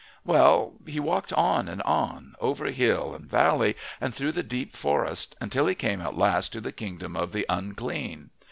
Well, he walked on and on, over hill and valley and through the deep forest, until he came at last to the kingdom of the unclean.